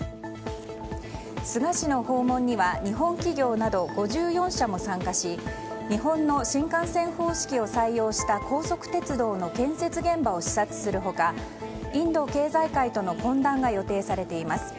菅氏の訪問には日本企業など５４社も参加し日本の新幹線方式を採用した高速鉄道の建設現場を視察する他インド経済界との懇談が予定されています。